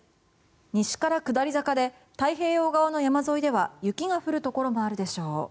西から下り坂で太平洋側も山沿いでは雪が降るところもあるでしょう。